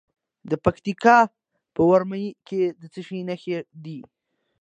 د پکتیکا په ورممی کې د څه شي نښې دي؟